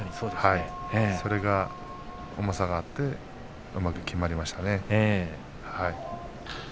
それと重さがあってうまくきまりましたね。